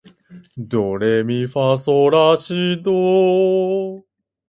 ドレミファソラシド